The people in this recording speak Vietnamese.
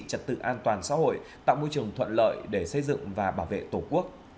trật tự an toàn xã hội tạo môi trường thuận lợi để xây dựng và bảo vệ tổ quốc